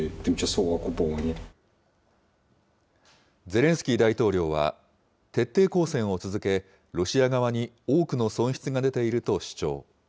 ゼレンスキー大統領は、徹底抗戦を続け、ロシア側に多くの損失が出ていると主張。